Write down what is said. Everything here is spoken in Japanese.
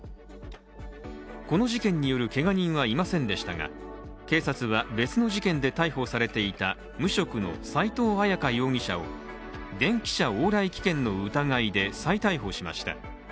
この事件によるけが人はいませんでしたが警察は別の事件で逮捕されていた無職の斉藤絢香容疑者を、電汽車往来危険の疑いで再逮捕しました。